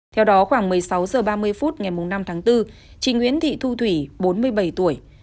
theo đó khoảng một mươi sáu h ba mươi phút ngày năm tháng bốn chị nguyễn thị thu thủy bốn mươi bảy tuổi